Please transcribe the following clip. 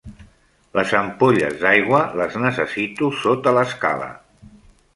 Les ampolles d'aigua, les necessito sota l'escala.